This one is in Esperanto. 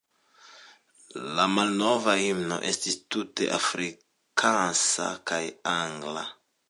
La malnova himno estis tute afrikansa kaj angla.